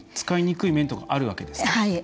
使いにくい面とかあるわけですね。